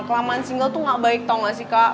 kelamaan single tuh gak baik tau gak sih kak